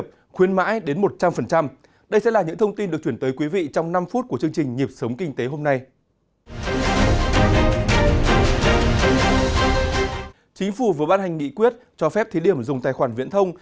chính phủ vừa ban hành nghị quyết cho phép thí điểm dùng tài khoản viễn thông